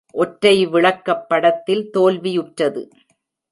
ஒற்றை விளக்கப்படத்தில் தோல்வியுற்றது.